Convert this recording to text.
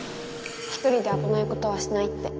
ひとりであぶないことはしないって。